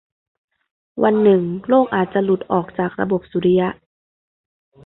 วันหนึ่งโลกอาจจะหลุดออกจากระบบสุริยะ